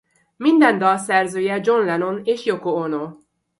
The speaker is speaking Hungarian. Minden dal szerzője John Lennon és Yoko Ono.